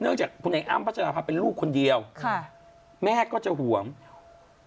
เนื่องจากคนในอัมพัชรภาเป็นลูกคนเดียวแม่ก็จะห่วง